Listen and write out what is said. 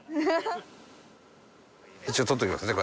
一応撮っておきますね